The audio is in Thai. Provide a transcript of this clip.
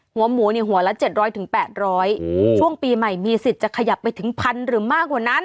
หัวหมูเนี่ยหัวละเจ็ดร้อยถึงแปดร้อยโอ้ช่วงปีใหม่มีสิทธิ์จะขยับไปถึงพันหรือมากกว่านั้น